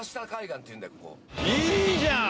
いいじゃん！